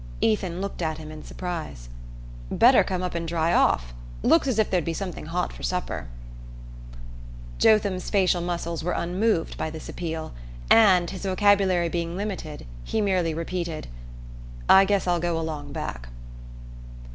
Ethan looked at him in surprise. "Better come up and dry off. Looks as if there'd be something hot for supper." Jotham's facial muscles were unmoved by this appeal and, his vocabulary being limited, he merely repeated: "I guess I'll go along back."